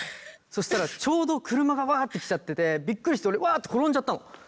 そしたらちょうど車がわって来ちゃっててびっくりして俺わって転んじゃったの。